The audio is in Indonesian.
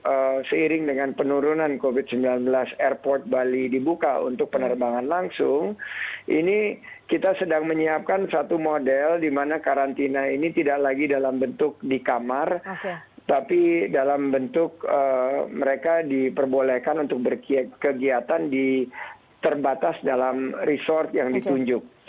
dan seandainya nanti seiring dengan penurunan covid sembilan belas airport bali dibuka untuk penerbangan langsung ini kita sedang menyiapkan satu model di mana karantina ini tidak lagi dalam bentuk di kamar tapi dalam bentuk mereka diperbolehkan untuk berkegiatan terbatas dalam resort yang ditunjuk